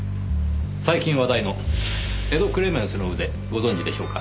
最近話題の『エド・クレメンスの腕』ご存じでしょうか？